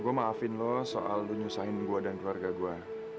gue maafin lo soal lu nyusahin gue dan keluarga gue